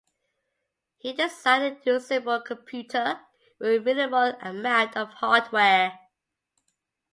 He designed a usable computer with a minimal amount of hardware.